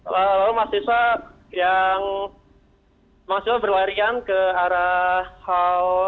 lalu mahasiswa yang mahasiswa berlarian ke arah hal